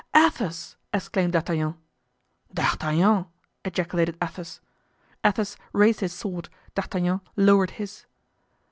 "Athos!" exclaimed D'Artagnan. "D'Artagnan!" ejaculated Athos. Athos raised his sword; D'Artagnan lowered his.